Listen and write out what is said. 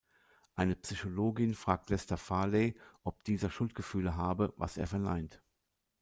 Eine Psychologin fragt Lester Farley, ob dieser Schuldgefühle habe, was er verneint.